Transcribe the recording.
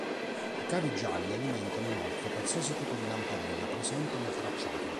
I cavi gialli alimentano inoltre qualsiasi tipo di lampadina presente nel tracciato.